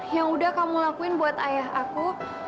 yang udah kamu lakuin buat ayah aku